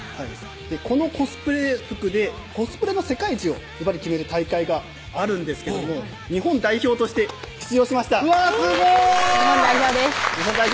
このコスプレ服でコスプレの世界一を決める大会があるんですけども日本代表として出場しましたうわすごい！